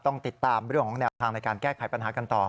ต้องติดตามเรื่องของแต่ละการแก้ไพรปัญหากันต่อ